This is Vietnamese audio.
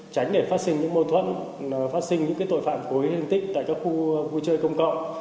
tránh để phát sinh những mâu thuẫn phát sinh những tội phạm hối hình tích tại các khu vui chơi công cộng